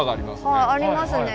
ありますね